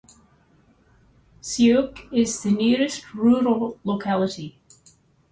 Siukh is the nearest rural locality.